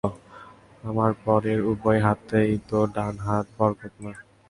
আমার বর-এর উভয় হাতই তো ডান হাত বরকতময়।